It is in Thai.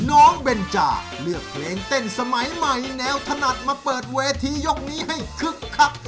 เบนจาเลือกเพลงเต้นสมัยใหม่แนวถนัดมาเปิดเวทียกนี้ให้คึกคัก